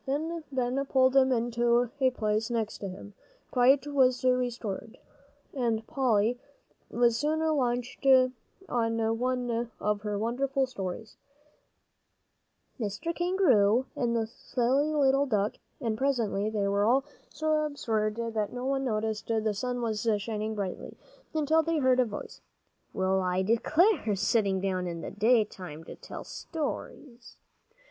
Then Ben pulled him into a place next to him, quiet was restored, and Polly was soon launched on one of her wonderful stories, "Mr. Kangaroo and the silly little Duck," and presently they were all so absorbed that no one noticed the sun was shining brightly, until they heard a voice, "Well, I declare, sitting down in the day time to tell stories!"